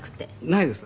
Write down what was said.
ないです。